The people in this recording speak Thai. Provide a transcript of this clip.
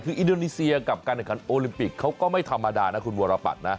คืออินโดนีเซียกับการแข่งขันโอลิมปิกเขาก็ไม่ธรรมดานะคุณวรปัตรนะ